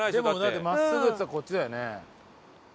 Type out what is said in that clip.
だって真っすぐって言ったらこっちだよね。